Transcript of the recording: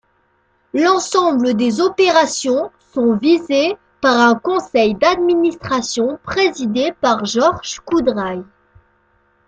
L'ensemble des opérations sont visées par un Conseil d'Administration présidé par Georges Coudray.